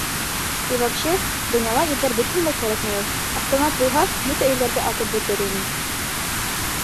И вообще, донъяла ирҙәр бөтөнләй кәрәкмәй ул. Автомат булһа, бөтә ирҙәрҙе атып бөтөр инем.